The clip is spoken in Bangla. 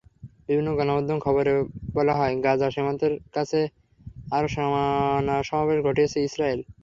বিভিন্ন গণমাধ্যমের খবরে বলা হয়, গাজা সীমান্তের কাছে আরও সেনাসমাবেশ ঘটিয়েছে ইসরায়েল।